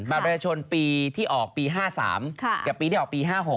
ประชาชนปีที่ออกปี๕๓กับปีที่ออกปี๕๖